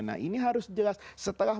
nah ini harus jelas setelah